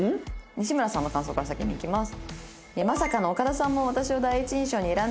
西村さんの感想から先にいきます。